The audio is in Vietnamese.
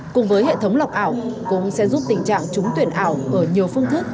cùng với hệ thống lọc ảo cũng sẽ giúp tình trạng trúng tuyển ảo ở nhiều phương thức